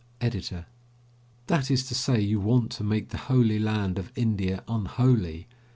EDITOR: That is to say, you want to make the holy land of India unholy.